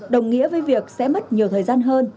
đồng nghĩa với việc sẽ mất nhiều thời gian hơn